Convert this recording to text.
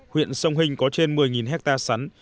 huyện sông hình có trên một mươi hectare sắn